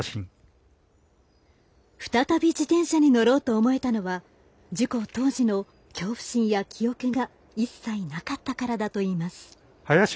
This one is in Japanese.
再び自転車に乗ろうと思えたのは事故当時の恐怖心や記憶が一切なかったからだといいます。